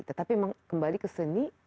tetapi kembali ke seni